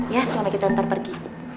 ya selama kita ntar pergi